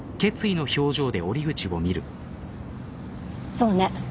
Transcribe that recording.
そうね。